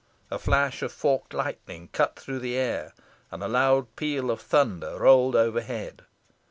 A flash of forked lightning cut through the air, and a loud peal of thunder rolled overhead.